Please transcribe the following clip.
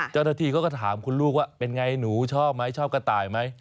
เจ้าหน้าที่เขาก็ถามคุณลูกว่าเป็นไงหนูชอบไหมชอบกระต่ายไหม